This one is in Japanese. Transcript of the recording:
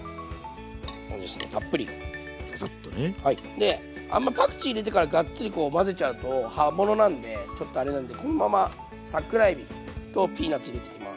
であんまりパクチー入れてからガッツリ混ぜちゃうと葉物なんでちょっとあれなんでこのまま桜えびとピーナツ入れていきます。